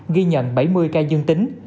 ghi nhận bảy mươi ca dân tính